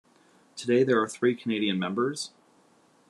Today there are three Canadian members.